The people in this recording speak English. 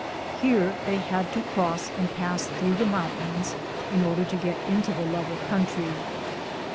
Here they had to cross and pass through the mountains in order to get into the level country.